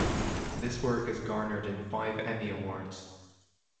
This work has garnered him five Emmy Awards.